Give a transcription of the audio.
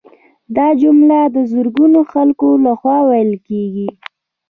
دا جمله د زرګونو خلکو لخوا ویل کیږي